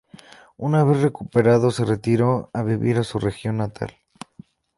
Una vez recuperado se retiró a vivir a su región natal.